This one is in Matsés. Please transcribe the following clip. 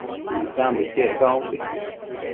Icsambo iquec caunbi